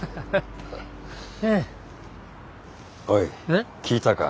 おい聞いたか？